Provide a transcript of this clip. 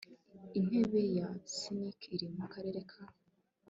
intebe ya snic iri mu karere ka